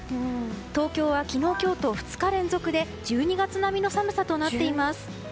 東京は昨日、今日と２日連続で１２月並みの寒さとなっています。